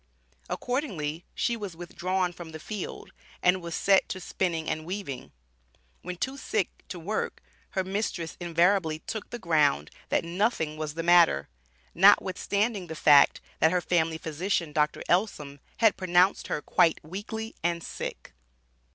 Accordingly, she was withdrawn from the field, and was set to spinning and weaving. When too sick to work her mistress invariably took the ground, that "nothing was the matter," notwithstanding the fact, that her family physician, Dr. Ellsom, had pronounced her "quite weakly and sick."